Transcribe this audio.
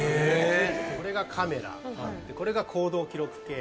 これがカメラこれが行動記録計。